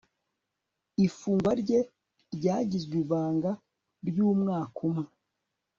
Ifungwa rye ryagizwe ibanga ryumwaka umwe